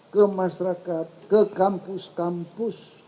ke masyarakat ke kampus kampus